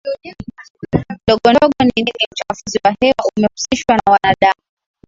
Ndogondogo ni nini Uchafuzi wa hewa umehusishwa na wanadamu